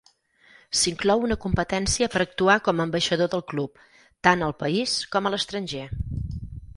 S'inclou una competència per actuar com ambaixador del club, tant al país com a l'estranger.